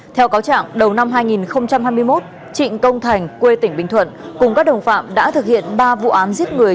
theo cáo trạng đầu năm hai nghìn hai mươi một trịnh công thành quê tỉnh bình thuận cùng các đồng phạm đã thực hiện ba vụ án giết người